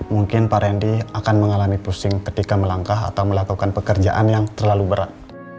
mungkin pak randy akan mengalami pusing ketika melangkah atau melakukan pekerjaan yang terlalu berat